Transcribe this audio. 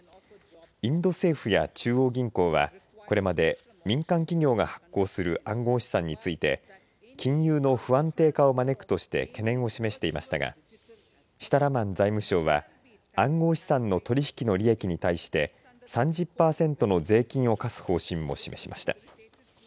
インド政府や中央銀行はこれまで民間企業が発行する暗号資産について金融の不安定化を招くとして懸念を示していましたがシタラマン財務相は暗号資産の取り引きの利益に対して３０パーセントの税金を課す方針も示しました。